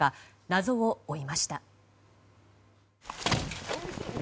謎を追いました。